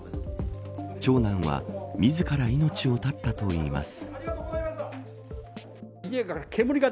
長男は自ら命を絶ったといいます。